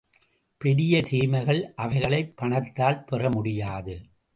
பெரிய தீமைகள் அவைகளைப் பணத்தால் பெற முடியாது.